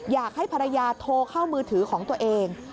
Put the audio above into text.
อยากให้ภรรยาโทรเข้ามือถือของตัวเอง